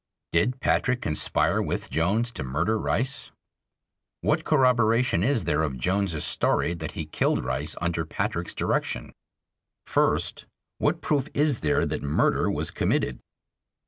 Did Patrick conspire with Jones to murder Rice? What corroboration is there of Jones's story that he killed Rice under Patrick's direction? First: What proof is there that murder was committed?